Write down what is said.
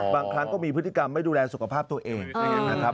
บางครั้งก็มีพฤติกรรมไม่ดูแลสุขภาพตัวเองนะครับ